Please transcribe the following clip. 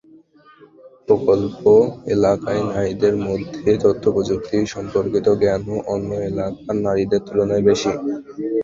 প্রকল্প এলাকায় নারীদের মধ্যে তথ্যপ্রযুক্তি-সম্পর্কিত জ্ঞানও অন্য এলাকার নারীদের তুলনায় বেশি।